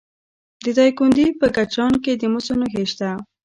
د دایکنډي په کجران کې د مسو نښې شته.